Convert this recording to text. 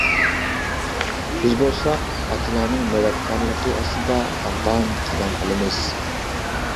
بىز بولساق، ئاتىلارنىڭ مەدەتكارلىقى ئاستىدا داغدام قەدەم ئالىمىز.